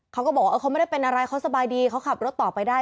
เขาก็บอกว่าเขาไม่ได้เป็นอะไรเขาสบายดีเขาขับรถต่อไปได้